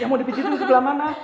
ya mau dipijit dulu ke belah mana